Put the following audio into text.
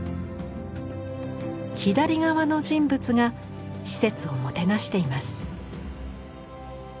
左側の人物が使節をもてなしています。